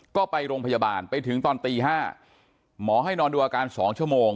ก็ไปโรงพยาบาลไปถึงตอนตี๕หมอให้นอนดูอาการ๒ชั่วโมง